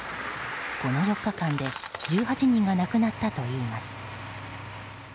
この４日間で１８人が亡くなったといいます。